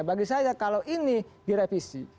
bagi saya kalau ini direvisi